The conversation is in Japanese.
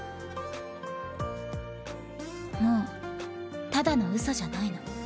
もうただのうそじゃないの。